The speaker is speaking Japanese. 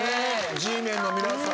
『Ｇメン』の皆さん。